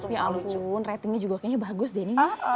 ya ampun ratingnya juga kayaknya bagus denny